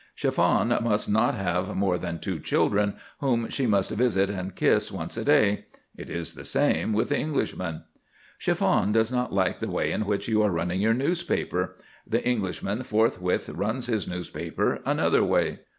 Chiffon must not have more than two children, whom she must visit and kiss once a day: it is the same with the Englishman. Chiffon does not like the way in which you are running your newspaper: the Englishman forthwith runs his newspaper another way.